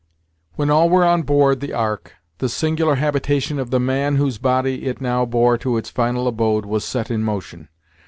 When all were on board the Ark, the singular habitation of the man whose body it now bore to its final abode, was set in motion.